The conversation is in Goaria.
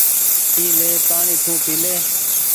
اي لي پآڻيٚ تونٚ پيلي